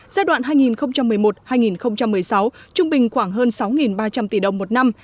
giai đoạn hai nghìn một mươi một hai nghìn một mươi sáu trung bình khoảng hơn sáu ba trăm linh tỷ đồng một năm